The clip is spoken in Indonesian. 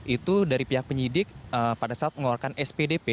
itu dari pihak penyidik pada saat mengeluarkan spdp